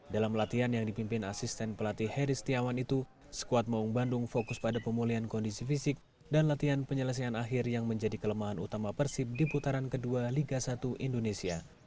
dalam latihan yang dipimpin asisten pelatih heri setiawan itu skuad maung bandung fokus pada pemulihan kondisi fisik dan latihan penyelesaian akhir yang menjadi kelemahan utama persib di putaran kedua liga satu indonesia